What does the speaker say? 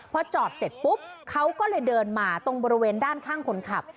พอจอดเสร็จปุ๊บเขาก็เลยเดินมาตรงบริเวณด้านข้างคนขับ